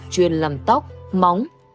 chuyên làm tóc móng